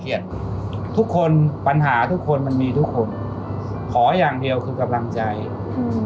ทุกคนปัญหาทุกคนมันมีทุกคนขออย่างเดียวคือกำลังใจอืม